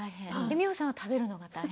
美穂さんは食べるのが大変。